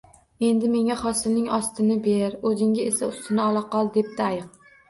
Endi menga hosilning ostini ber, o’zingga esa ustini ola qol, — debdi ayiq